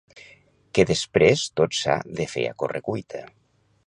que després tot s'ha de fer a correcuita